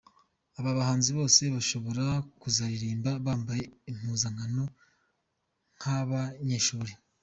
Aba bahanzi bose bashobora kuzaririmba bambaye impuzankano nk'abanyeshuri.